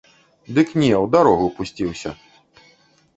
Дык не, у дарогу пусціўся.